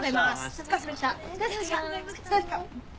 お疲れさまでした。